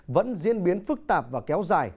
vẫn diễn biến phức tạp và kéo dài